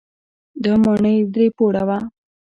دا ماڼۍ درې پوړه وه.